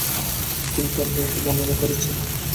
তিনি তার বইতে বর্ণনা করেছেন।